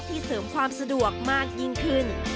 เสริมความสะดวกมากยิ่งขึ้น